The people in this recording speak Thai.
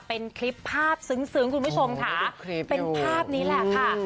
เป็นคลิปภาพซึ้งคุณผู้ชมค่ะเป็นภาพนี้แหละค่ะ